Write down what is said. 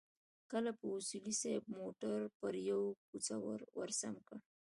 کله به اصولي صیب موټر پر يوه کوڅه ورسم کړ.